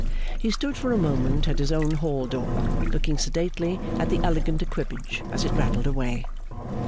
He stood for a moment at his own hall door, looking sedately at the elegant equipage as it rattled away.